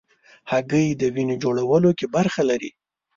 هګۍ د وینې جوړولو کې برخه لري.